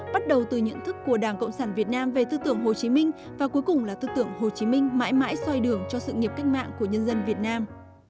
bắt đầu từ nhận thức của đảng cộng sản việt nam về tư tưởng hồ chí minh và cuối cùng là tư tưởng hồ chí minh mãi mãi xoay đường cho sự nghiệp cách mạng của nhân dân việt nam